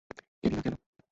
এলি না কেন?